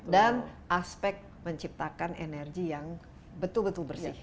dan aspek menciptakan energi yang betul betul bersih